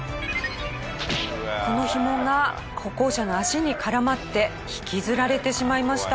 この紐が歩行者の足に絡まって引きずられてしまいました。